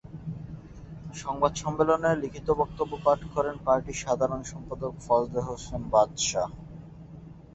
সংবাদ সম্মেলনে লিখিত বক্তব্য পাঠ করেন পার্টির সাধারণ সম্পাদক ফজলে হোসেন বাদশা।